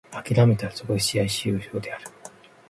諦めたらそこで試合終了である。